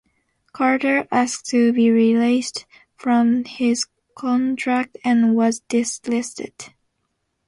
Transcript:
Carter asked to be released from his contract and was delisted.